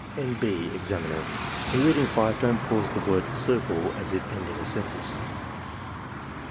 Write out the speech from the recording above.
{N. B. Examiner. — In reading 5, don't pause at the word CIRCLE as if ending a sentence.)